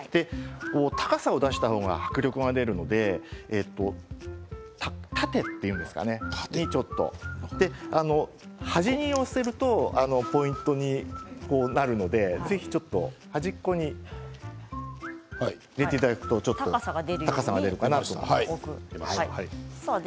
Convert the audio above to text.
高さを出した方が迫力が出るので縦というんでしょうか端に寄せるとポイントになるのでぜひちょっと端っこに入れていただくと高さが出るかなと思います。